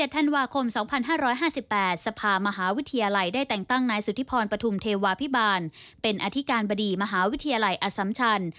ธันวาคม๒๕๕๘สภามหาวิทยาลัยได้แต่งตั้งนายสุธิพรปฐุมเทวาพิบาลเป็นอธิการบดีมหาวิทยาลัยอสัมชัน